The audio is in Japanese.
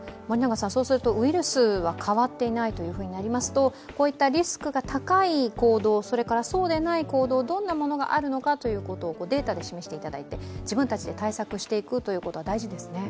ウイルスは変わっていないとなりますとこういったリスクが高い行動、そうでない行動どんなものがあるのかということをデータで示していただいて自分たちで対策していことは大事ですね。